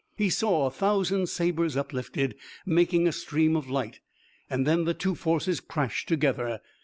He saw a thousand sabers uplifted, making a stream of light, and then the two forces crashed together.